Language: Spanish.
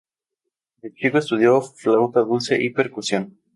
De chico estudió flauta dulce y percusión.